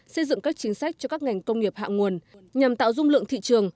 xây dựng các chính sách cho các ngành công nghiệp hạng nguồn nhằm tạo dung lượng thị trường